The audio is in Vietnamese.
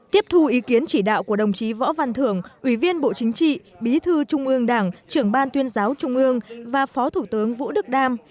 tiếp thu ý kiến chỉ đạo của đồng chí võ văn thưởng ủy viên bộ chính trị bí thư trung ương đảng trưởng ban tuyên giáo trung ương và phó thủ tướng vũ đức đam